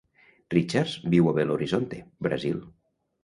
Richards viu a Belo Horizonte, Brasil.